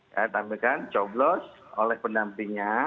saya tampilkan coblos oleh pendampingnya